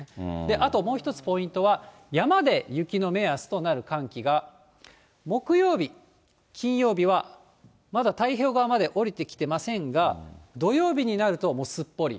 あともう一つ、ポイントは、山で雪の目安となる寒気が、木曜日、金曜日は、まだ太平洋側まで下りてきてませんが、土曜日になると、もうすっぽり。